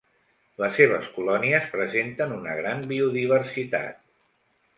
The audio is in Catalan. Les seves colònies presenten una gran biodiversitat.